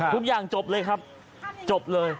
ทุกอย่างจบเลยครับจบเลย